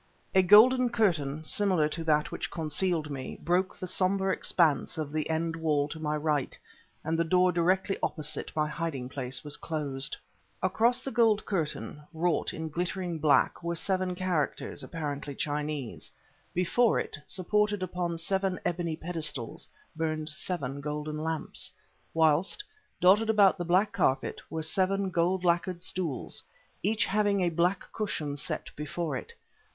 A golden curtain similar to that which concealed me broke the somber expanse of the end wall to my right, and the door directly opposite my hiding place was closed. Across the gold curtain, wrought in glittering black, were seven characters, apparently Chinese; before it, supported upon seven ebony pedestals, burned seven golden lamps; whilst, dotted about the black carpet, were seven gold lacquered stools, each having a black cushion set before it.